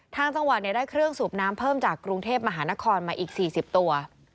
ทางจังหวัดได้เครื่องสูบน้ำเพิ่มจากกรุงเทพมหานครมาอีก๔๐ตัว